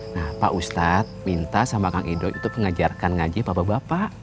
nah pak ustadz minta sama kang idoi untuk ngajarkan ngaji bapak bapak